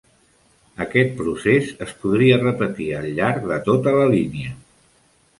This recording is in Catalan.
Aquest procés es podria repetir al llarg de tota la línia.